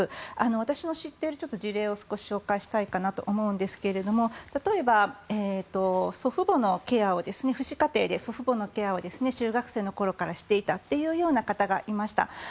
私の知っている事例を少し紹介したいと思うんですが例えば祖父母のケアを父子家庭で祖父母のケアを中学生の頃からしていたという方がいました。